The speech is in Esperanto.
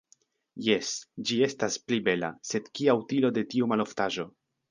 Jes, ĝi estas pli bela, sed kia utilo de tiu maloftaĵo.